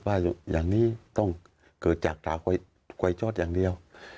ว่าอย่างนี้ต้องเกิดจากกล้วยทอดอย่างเดียว